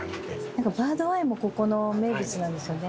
なんかバードアイもここの名物なんですよね？